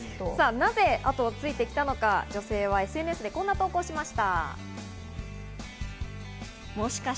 なぜ後をついてきたのか、女性はＳＮＳでこんな投稿をしました。